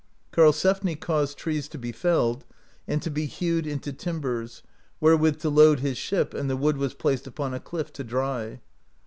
Karlsefni caused trees to be felled, and to be hewed into timbers, wherewith to load his ship, and the wood was placed upon a cliff to dry.